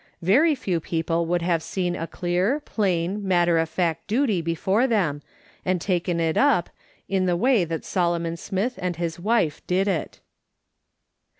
Very few people would have seen a clear, plain, matter of fact duty before them, and taken it up, in the way that Solomon Smith and his wife did it.